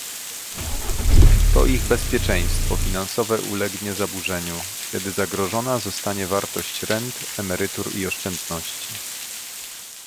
To ich bezpieczeństwo finansowe ulegnie zaburzeniu, kiedy zagrożona zostanie wartość rent, emerytur i oszczędności